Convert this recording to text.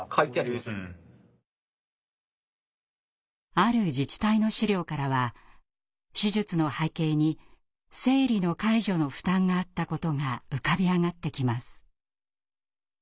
ある自治体の資料からは手術の背景に生理の介助の負担があったことが浮かび上がってきます。